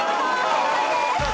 正解です。